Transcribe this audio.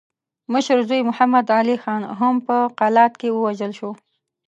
مشر زوی محمد علي خان هم په قلات کې ووژل شو.